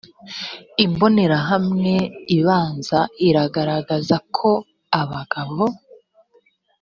imbonerahamwe ibanza iragaragaza ko abagabo